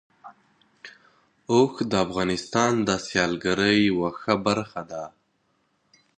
اوښ د افغانستان د سیلګرۍ یوه ښه برخه ده.